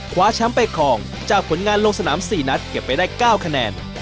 คว้าแชมป์ไปครองจากผลงานลงสนาม๔นัดเก็บไปได้๙คะแนน